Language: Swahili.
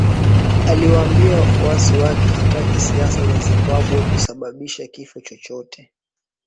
Aliwaambia wafuasi wake hataki siasa za Zimbabwe kusababisha kifo chochote